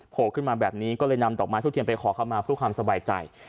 โผล่ขึ้นมาแบบนี้ก็เลยนำต่อมาทุกทีมไปขอเข้ามาพูดความสบายใจ